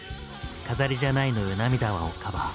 「飾りじゃないのよ涙は」をカバー。